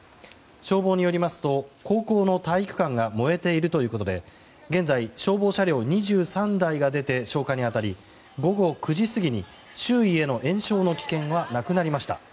消防によりますと高校の体育館が燃えているということで現在、消防車両２３台が出て消火に当たり午後９時過ぎに周囲への延焼の危険はなくなりました。